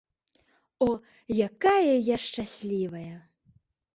О, якая я шчаслівая!